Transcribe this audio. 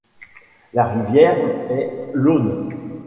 La rivière est l'Eaulne.